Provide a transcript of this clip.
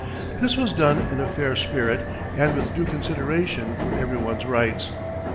This was done in a fair spirit and with due consideration for everyone's rights.